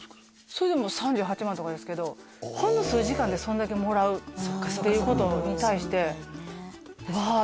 それでも３８万とかですけどほんの数時間でそんだけもらうっていうことに対してわあ！